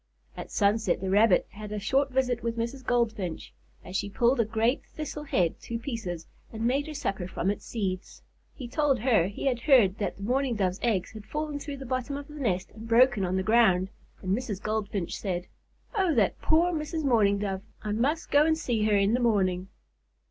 At sunset, the Rabbit had a short visit with Mrs. Goldfinch, as she pulled a great thistle head to pieces and made her supper from its seeds. He told her he had heard that the Mourning Dove's eggs had fallen through the bottom of the nest and broken on the ground, and Mrs. Goldfinch said: "Oh, that poor Mrs. Mourning Dove! I must go to see her in the morning."